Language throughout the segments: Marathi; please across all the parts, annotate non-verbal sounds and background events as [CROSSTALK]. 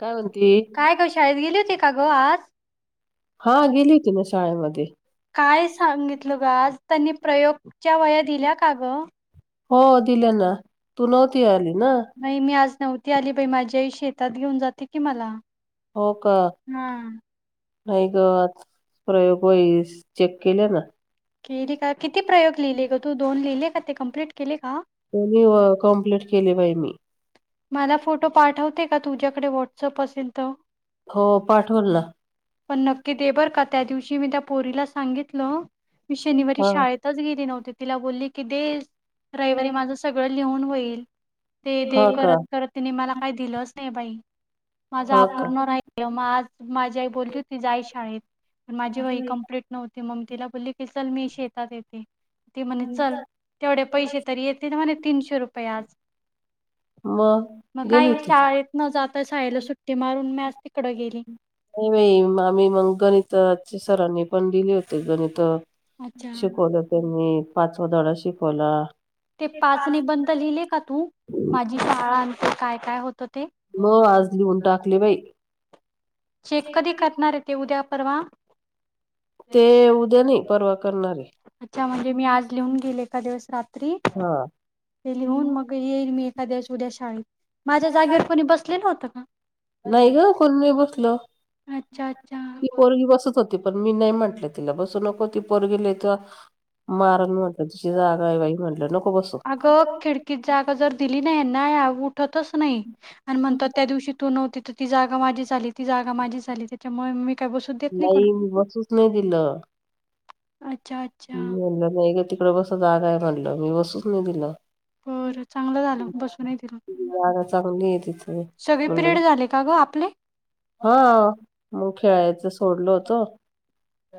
काय म्हणती काय गं, शाळेत गेली होती का गं आज? हा गेली होती का शाळेमध्ये काय सांगितलं ग आज त्यांनी प्रयोगच्या वहया दिल्या का ग हो दिले ना तू नव्हती आली ना नाही मी आज नव्हती आली माझी आई शेतात घेऊन जाते की मला हो का, हा. नाही ग आज प्रयोगवही चेक केले ना केली का किती प्रयोग लिहिले ग तू दोन लिहिले का ते कमप्लीट केले. का? त्यांनी व कम्प्लीट केली बाई मी मला फोटो पाठवते का तुझ्याकडे व्हॉट्सअप असेल तर हो पाठवल ना पण नक्की दे बर का त्या दिवशी मी त्या पोरीला सांगितलं मी शनिवारी हा शाळेतच गेली नव्हती. तिला बोलली की देस रविवारी माझं सगळं लिहून होईल ते हा दे का करत-करत तिन मला काय दिलंच नाही बाई माझा हा का अपूर्ण राहिल म आज माझी आ बोलली होती जाई शाळेत माझी वही कंप्लीट नव्हती मग तिला बोलली की चल मी शेतात येते. ती म्हणे चल तेवढे पैसे तरी येते म्हणे तीनशे रुपये आज मग गेली काही होती शाळेत न जाता शाळेला सुट्टी मारून मी आज तिकडं गेली नाही बाई, आम्ही मग... गणिताचे सरांनी पण दिले होते गणितं अच्छा शिकवलं त्यांनी, पाचवा धडा शिकवला. ते पाच निबंध लिहिले का तू, माझी शाळा अन ते काय-काय होतं ते? मग आज लिहुन टाकले बाई चेक कधी करणार ए ते, उद्या... परवा ते उद्या नाही [UNINTELLIGIBLE] परवा करणारे अच्छा म्हणजे मी आज लिहून गेले. एखाद्या वेळेस दिवस रात्री, हा हे लिहून मग येईल मी एका दिवस उद्या शाळेत माझ्या जागेवर कोणी बसले होतं? का? नाही गं, कोण नाही बसलं... अच्छा अच्छा. ती पोरगी बसत होती. पण मी नाही म्हंटले तिला, बसू नको ती पोरगी नई तर मारण म्हटलं, तिची जागा आहे बाई... म्हटलं नको बसू अगं खिडकीत जागा जर दिली ना यांना, या उठ तच नाही आणि म्हणतात त्या दिवशी तू नव्हती तर ती जागा माझी झाली, ती जागा माझी झाली त्याच्यामुळे मी काय बसू देत नाही कोणा बसूच नाही दिलं. अच्छा अच्छा. म्हणलं नाही ग, तिकडं बसा जागा आहे म्हटलं... मी बसूच नाही दिलं. बरं... चांगलं झालं, बसू नाय दिलं. तिची [UNINTELLIGIBLE] जागा चांगली आहे तिथे सगळे म्हणलं पिरियड झाले का गं आपले? हा, मग खेळायचं सोडलं होतं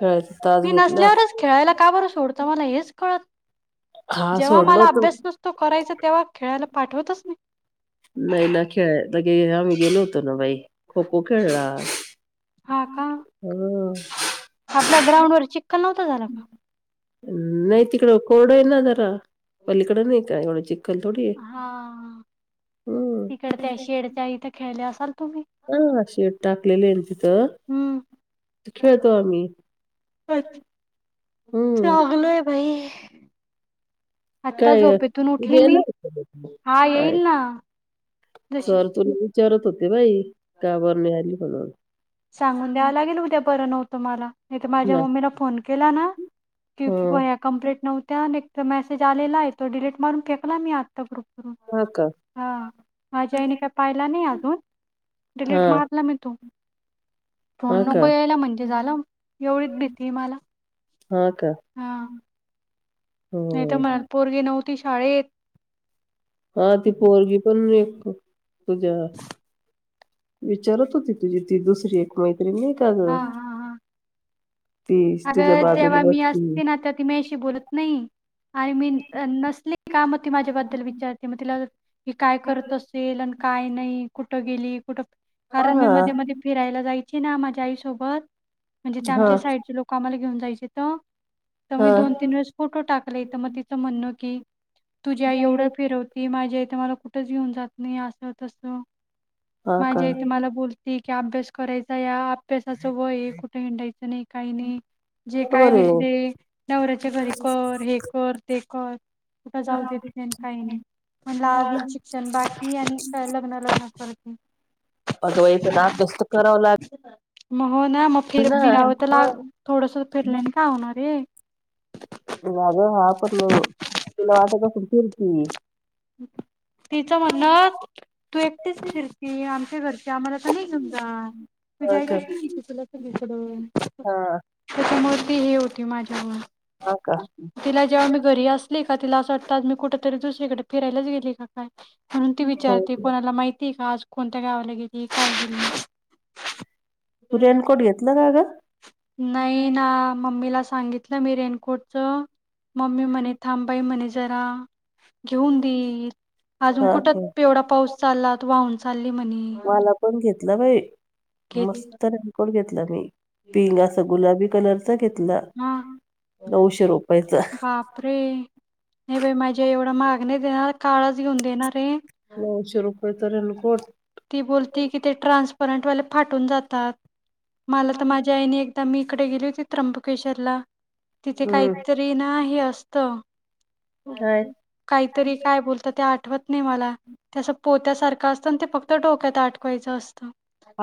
खेळायचा तास मी घेतला नसल्यावरच खेळायला का बरं सोडता, मला हेच कळत हा जेव्हा सोडलं मला होत अभ्यास नसतो करायचा तेव्हा खेळायला पाठवतच नाही. नाई ना, खेळायला आम्ही गेलो होतो ना बाई, खो खो खेळला हा का [UNINTELLIGIBLE] हम्म आपल्या ग्राउंड वर चिखल नव्ह नई तिकडं कोरडं आहे ना जरा, पलीकडं नई काय एवढं चिखल थोडी आहे हा हम्म तिकड त्या शेडच्या इथं खेळल्या अस हा शेड टाकलेलं ए ना तिथं हम्म. खेळतो आम्ही. [UNINTELLIGIBLE] हम्म चांगलं ए बाई आत्ता काय झोपेतून उठली मी गं हा येईल ना [INAUDIBLE] जशी सर तुला विचारत होते बाई, का बरं नाई आली म्हणून. सांगून द्यावं लागेल उद्या बर नव्हतं मला. मी तर माझ्या ना मम्मीला फोन केला ना की हं. वह्या कंप्लीट नव्हत्या तो मेसेज आलेला आहे तो डिलीट मारून फेकला मी आत्ता ग्रुप हा हा माझ्या आईनी काय पाहिला नाही अजून हा डिलीट मारला मी तो हा फोन का नको यायला म्हणजे झालं, एवढीच भीतीए मला हा का? हा नाही तर हं. म्हणल, पोरगी नव्हती शाळेत, हा ती पोरगी... पण एक तुझ्या विचारत होती तुझी ती दुसरी एक मैत्री नाई का हा गं हा हा अगं जेव्हा मी असती ना, तर ती मयाशी बोलत नई. आणि मी... अ... नसली का, मग ती माझ्याबद्दल विचारते मग तिला कि काय करत असेल आणि काय नाही, कुठं गेली कुठं हा कारण मी मध्ये मध्ये फिरायला जायची ना माझ्या आईसोबत म्हणजे ते हा आमच्या साईडचे लोकं मला घेऊन जायची तर हा मी, दोन तीन वेळेस फोटो टाकले तर मग तिचं म्हणणं की तुझी आई एवढं फिरवती माझी आई तर मला कुठंच घेऊन जात नाई असं तसं, हा का माझी आई तर मला बोलती की अभ्यास करायचा, या अभ्यासाचं वय ए... कुठं हिंडायचं नाही काई नाही. जे काय बर आहे [UNINTELLIGIBLE] ते नवऱ्याच्या घरी कर, हे कर.. ते कर कुठं जाऊ देत नाही न काही नाही म्हणलं अजून शिक्षण बाकी आणि काय लग्न लग्न करती. अगबाई पण अभ्यास तर करावं लाग मग हो ना मग फिर फिरावं तर लाग थोडस फिरलंने का होणारेय. [UNINTELLIGIBLE] पण तिला वाटत असल फिरती. तिच म्हणण तू एकटीच फिरती आम घरचे आम्हाला त नाई घेऊन जात तुझी हा आई का कशी नेती तुला सगळीकड. हा त्याच्यामुळ ते हे होती माझ्यामूळ हा का तिला जेव्हा मी घरी असली का तिला असं वाटं आज मी कुठ तरी दुसरीकडे फिरायलाच गेली का काय म्हणून ती हो विचारते कोणाला माहिती ती का आज कोणत्या गावाला गेली काय गेली. तू रेनकोट घेतला का ग. नाही ना मम्मीला सांगितलं मी रेनकोट च मम्मी म्हणे थांमबाई म्हणेच. जरा घेऊन देईल अजून हा कुठ का तेवढा पाऊस चालला तू वाहून ति म्हणे मला पण घेतला बाई घेत मस्त रेनकोट घेतला मी पिंक अस गुलाबी कलर चा घेतला हा नऊशे रुपयचा बापरे! नाही बाई माझी आई एवढा महाग नाही देणार काळाच घेऊन देणारेय होय तो रेनकोट ती बोलती की ते ट्रान्सपरंटवाले फाटून जातात मला तर माझ्या आईने आता मी इकडे गेली होती त्र्यंबकेश्वरला तिथे हम्म काहीतरी ना हे असत. काय काहीतरी काय बोलता ते आत आठवत नाही मला ते असं पोत्यासारखं असतं अनं ते फक्त डोक्यात आटकवायचं असतं.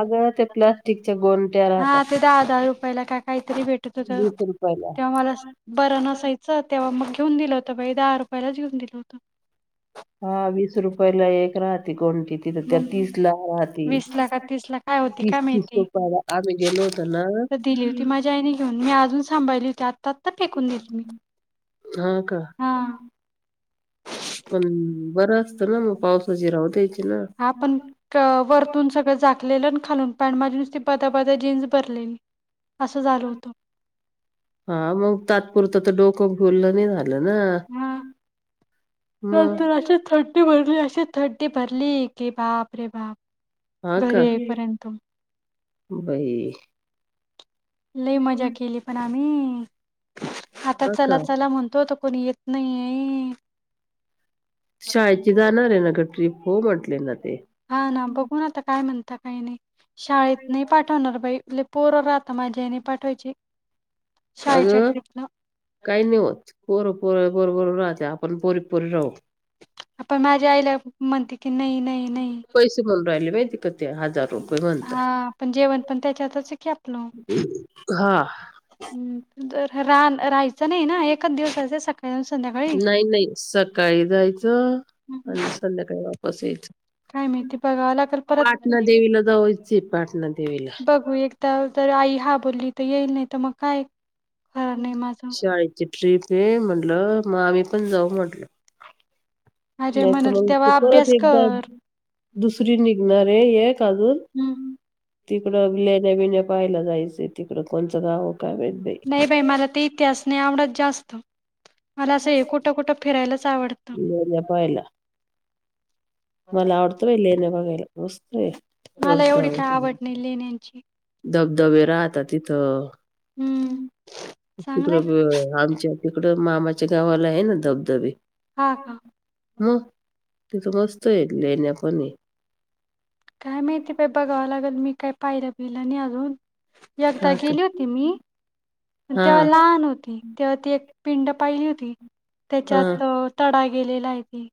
अगं त्या प्लास्टिकच्या गोंट्या राहतात हा ते दहा दहा रुपयाला काय तरी भेटत होत वीस रुपयाला तेव्हा मला बरं नसायचं तेव्हा मग घेऊन दिलं आता बाई दहा रुपयालाच घेऊन दिलं होत हा वीस रुपय ला एक राहते कों तिथ मग त्या तीस ला राहती वीस ला का ला काय होती तीस काय तीस माहिती रुपयला आम्ही गेलो होतो ना तर दिली होती माझ्या आईने घेऊन मी अजून सांभाळली होती आत्ता आत्ता फेकून दिली मी हा का हा पण बरं असत ना मग पावसाची राहू द्यायची ना हा पण ट्र वरतून सगळ झाक लेलन खालून पॅन्ट माझी नुसती बदा बदा जीन्स भरलेली असं झालं होतं हा मग तात्पुरत तर डोकं ओल नाही झालं. ना हा तर मग अशी थंडी भरली असं. त थंडी भरली की बाप रे हा बाप का घरी येईपर्यंत बाई लय मजा केली पण आ आता हा का चला चला म्हणतो त कोणी येत नाहीये शाळेची जाणार आहे ना गं ट्रिप हो म्हंटले ना ते हा ना बघू न आता काय म्हणता काही नाही शाळेत नाही पाठवणार बाई ली पोरं राहता माझी आई नाय पाठवायची शाळेच्या अगं ट्रिपला काही नाही होत पोर पोर बरोबर राहत्या आप आपण पोरी पोरी राहू हा पण माझ्या आईला म्हणते की नाही नाही नाही पैसे भरून राहिले बाई ती किती हजार रुपये हा म्हणतात पण जेवण पण त्याच्यातच आहे की आपल हा हंम जर राहन राहायचं नाही ना एकच दिवसाच सकाळी आणि संध्याकाळी नाही नाही सकाळी जायचं आणि संध्याकाळी वापस काय यायचं माहिती बघावं लागेल परत पाटणा देवीला जावायचं पाटणा देवीला तर आई हा बोलली तर येईल नाही तर मग काय खर नाही माझं शाळेची ट्रिप आहे म्हटलं मग आम्ही पण जाऊ म्हटलं. अजय नाही तर म्हणाल मग तू तेव्हा परत अभ्यास एकदा कर दुसरी निघ. निघणारे एक अजून हम्म तिकड लेण्या बिन्या पायला जायचंय तिकडं कोणचं गाव काय माहित नाही बाई मला ते इतिहास नाही आवडत जास्त मला असं हे कुठ कुठ फिरायलाच आवडतं. लेण्या पाहायला मला आवडतंय बाई लेण्या बघायला मस्त आहे. मला एवढी चढतं काय आवड नाही लेण्यांची धबधबे राहता तिथं. हम्म तिकड चांगलंय आमच्या तिकडं मामाच्या गावाला आहे ना धबधबे हा का? मग तिथं मस्त आहे लेण्या पण आहे. काय माहिती बाई बघावं लागेल मी काय पाहिला बिला आणि अजून एकदा हा का गेली होती मी हा तेव्हा लहान होती तेव्हा ती एक पिंड पाहिली होती हा त्याच्यात तडा गेलेला आहे त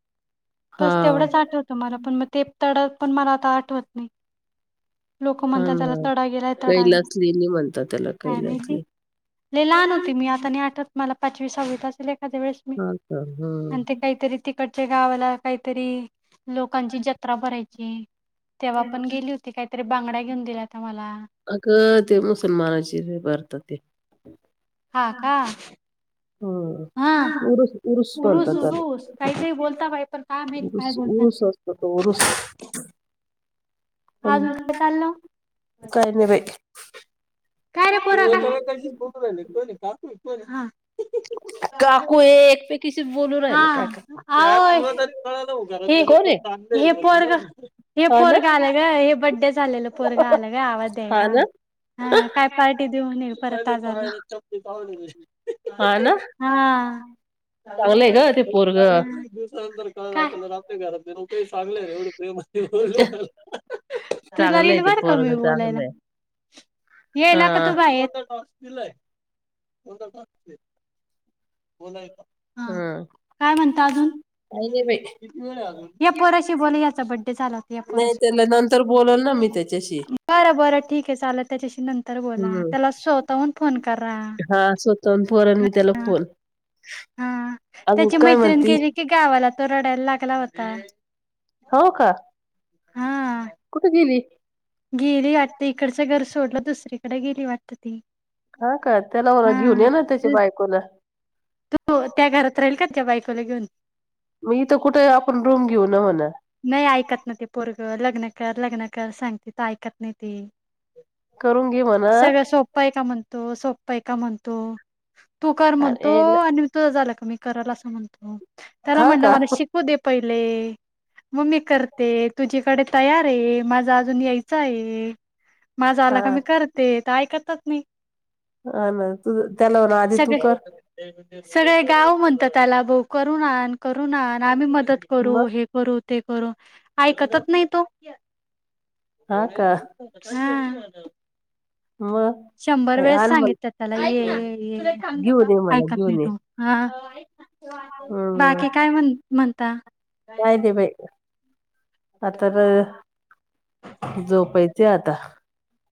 हा बस तेवढंच आठवतं मला पण मग ते तडत पण मला आता आठवत नाही. लोक हा म्हणतात त्याला ना तडा गेलाय तडा गेला कैलास लेणी म्हणतात त्याला काय कैलास माहिती लेणी लय लहान होते मी आता आणि आठत मला पाचवी सहावी असेल. त्यावेळेस मी हा का हं आणि ते काहीतरी तिकडच. च्या गावाला काहीतरी लोकांची जत्रा भरायची तेव्हा पण गेली होती काही तरी बांगडया घेऊन दिल्यात मला अगं ते मुसलमानाची भरत ते हा का. हो. हा उरूस उरूस म्हणतात उरूस त्याला काही काही बोलता बाई पण काय माहित काय उरूस बोलता उरूस असतो तो उरूस ह. अजून काय ह चाललं काय ग बाई. काय रे पोरा हा. ह. हा. काका कोण आहे हे पोरग हे हा ना पोरग आलं ग हे बड्डे झालेलं पोरगा आलं ग आवाज द्यायला. हा काय ह. पार्टी देऊन ये परत आज हा हा ना हा चांगलंय ग ह काय? तुला चांगलंय देईल ते बर का पोरग मी बोलायला चांगलंय हा यायला का तू बाई आहे. [UNINTELLIGIBLE] हम्. काय म्हणता अजून या पोराशी बोला याचा बड्डे झाला होता या नाही पोराशी पण त्याला नंतर बोलल ना मी त्याच्याशी बरं बरं ठीक आहे चाला त्याच्याशी नंतर बोला हम्म त्याला स्वतःहून फोन करा. नंतर करण मी त्याला फोन हा त्याची अजून काय मैत्रिण म्हणती गेली की गावाला तो रडायला लागला होता. हो का. हा कुठे गेली? गेली वाटते इकडचं घर सोडलं दुसरीकडे गेली वाटत ती हा का त्याला घेऊन ये ना त्याची बायकोला तो त्या घरात राहील का त्या बायकोला घेऊन मग इथं कुठे आपण रूम घेऊ न म्हणा नाही ऐकत नाही ते पोरग लग्न कर लग्न कर सांगते त ऐकत नाही ती करून घे म्हणा सगळं सोप्प आहे का म्हणतो सोपा आहे का म्हणतो तू कर म्हणतो अरे ल- आणि तुझ झाला का मी करायला असं म्हणतो त्याला हा म्हण का मला शिकू दे पहिले म मी करते तुझी कडे तयार आहे माझा अजून यायचं आहे माझा हा आला क मी करते ऐकत हा ना तू त्याला म्हणा आधी तू कर सगळे सगळे गाव म्हणतात आला बो करून आण करून आण आम्ही मदत करू मग हे ते करू ऐकतच नाही तो हा का [INAUDIBLE] मग शंभर वेळेस आण मला सांगित त्याला ये ये ये घेऊन ये मला ऐकत नाही घेऊन ये तो ह हम्म. बाकी काय म्हण म्हणता काय दे बाई आता झोपायचे आता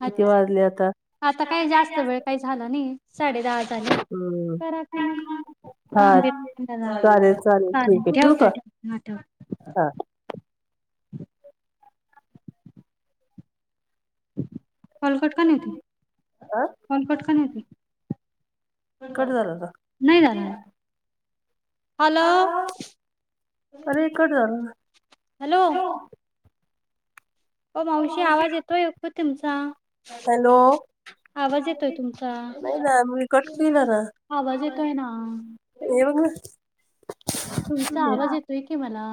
किती वाजले आता आता काय जास्त वेळ काही झाला नाही साडे दहा झाली हम्म. करा कि मग तांबे हा चालेल चालेल ठीक आहे ठेवू का ठेवते ठेवते हा ठेवते हा [UNINTELLIGIBLE] हलकट कोण हाय ती हा हलकट कोण ती कट झाला नाही झाला ना हॅलो अरे कट झाला ना हॅलो हो मावशी आवाज येतोय ओ तुमचा हॅलो आवाज येतोय तुमचा नाही ना मी कट आवाज येतोय ना येवंग तुमचा आवाज येतोय की मला